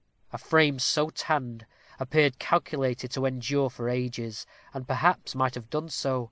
A frame so tanned, appeared calculated to endure for ages; and, perhaps, might have done so.